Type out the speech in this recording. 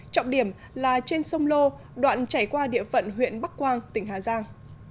trọng điểm là trên sông lô đoạn chảy qua địa phận huyện bắc quang tỉnh hà giang